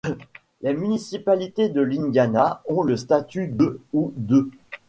Les municipalités de l'Indiana ont le statut de ' ou de '.